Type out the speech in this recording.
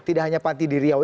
tidak hanya panti di riau